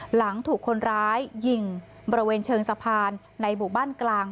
หลังถูกคนร้ายยิงบริเวณเชิงสะพานในหมู่บ้านกลาง